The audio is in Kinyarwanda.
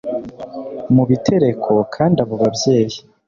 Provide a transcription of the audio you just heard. Mubitereko kandi abo babyeyi